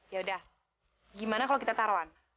yaudah gimana kalau kita taruhan